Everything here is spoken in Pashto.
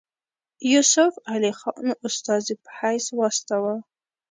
یوسف علي خان استازي په حیث واستاوه.